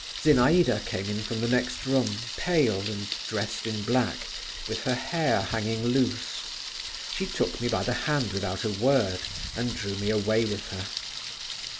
Zinaïda came in from the next room, pale, and dressed in black, with her hair hanging loose; she took me by the hand without a word, and drew me away with her.